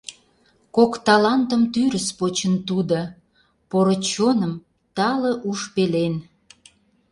Кок талантым тӱрыс почын тудо: Поро чоным тале уш пелен.